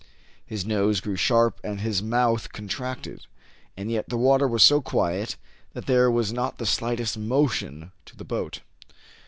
His nose grew sharp, and his mouth con tracted ; and yet the water was so quiet, that there was not the slightest motion to the boat.